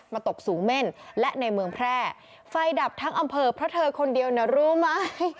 ตกสูงเม่นและในเมืองแพร่ไฟดับทั้งอำเภอเพราะเธอคนเดียวเนี่ยรู้ไหม